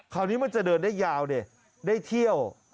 คราวนี้มันจะเดินได้ยาวได้เที่ยว